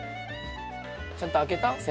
ちゃんとあけた？